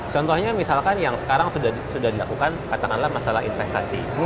contohnya misalkan yang sekarang sudah dilakukan katakanlah masalah investasi